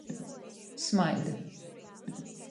Smaida.